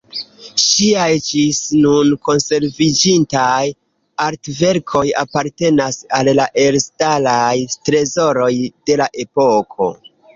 Ŝiaj ĝis nun konserviĝintaj artverkoj apartenas al la elstaraj trezoroj de la epoko.